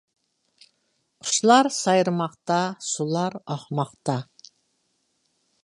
قۇشلار سايرىماقتا. سۇلار ئاقماقتا.